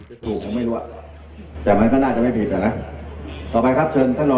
เมืองอัศวินธรรมดาคือสถานที่สุดท้ายของเมืองอัศวินธรรมดา